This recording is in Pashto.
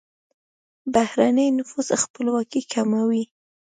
بهرنی نفوذ خپلواکي کموي.